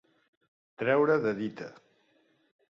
Treure de dita.